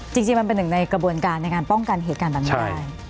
จริงมันเป็นหนึ่งในกระบวนการในการป้องกันเหตุการณ์แบบนี้ได้